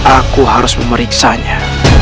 aku harus memeriksanya